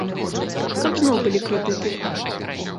Каб зноў былі крэдыты.